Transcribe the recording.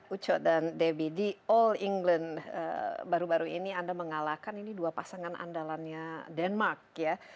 uco dan debbie di all england baru baru ini anda mengalahkan ini dua pasangan andalannya denmark ya